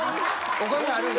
お金あるんで。